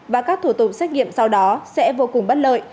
và các thủ tục xét nghiệm sau đó sẽ vô cùng bất lợi